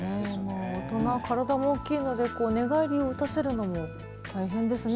大人は体も大きいので寝返りを打たせるのも大変ですよね。